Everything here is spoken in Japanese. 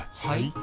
はい？